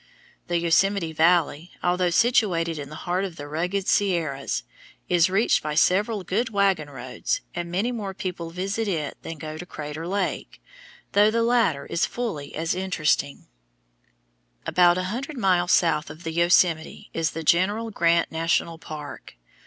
The Yosemite Valley, although situated in the heart of the rugged Sierras, is reached by several good wagon roads and many more people visit it than go to Crater Lake, although the latter is fully as interesting. [Illustration: FIG. 135. THE FALLS OF THE YELLOWSTONE, YELLOWSTONE CAÑON] About a hundred miles south of the Yosemite is the General Grant National Park.